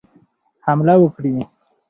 حمله وکړي.